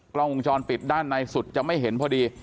กล้องวงจรปิดด้านในสุดจะไม่เห็นพอดี